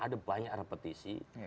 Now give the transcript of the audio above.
ada banyak repetisi